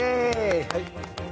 はい。